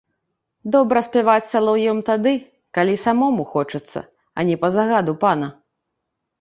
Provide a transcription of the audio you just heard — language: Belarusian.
Добра спяваць салаўём тады, калі самому хочацца, а не па загаду пана.